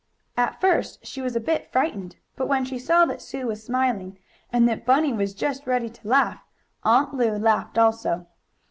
At first she was a bit frightened, but when she saw that Sue was smiling, and that Bunny was just ready to laugh, Aunt Lu laughed also.